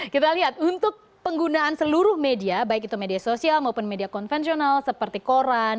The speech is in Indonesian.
kita lihat untuk penggunaan seluruh media baik itu media sosial maupun media konvensional seperti koran